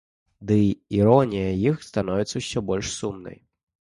Дый іронія іх становіцца ўсё больш сумнай.